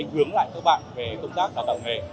hướng lại các bạn về công tác đào tạo nghề